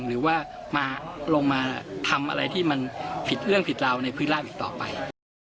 หรือว่ามาลงมาทำอะไรที่มันผิดเรื่องผิดราวในพื้นราบอีกต่อไป